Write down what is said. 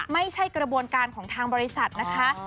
ไม่ใช่กระบวนการของทางบริษัทนะคะ